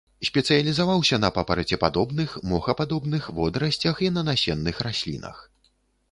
Спецыялізаваўся на папарацепадобных, мохападобных, водарасцях і на насенных раслінах.